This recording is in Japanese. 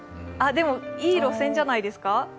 でも、いい路線じゃないですか。